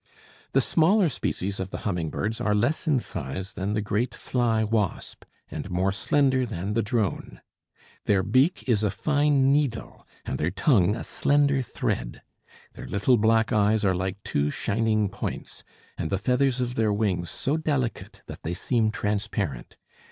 The smaller species of the humming birds are less in size than the great fly wasp, and more slender than the drone. Their beak is a fine needle and their tongue a slender thread. Their little black eyes are like two shining points, and the feathers of their wings so delicate that they seem transparent.